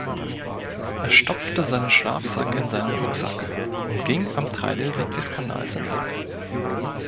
Er stopfte seinen Schlafsack in seinen Rucksack und ging am Treidelweg des Kanals entlang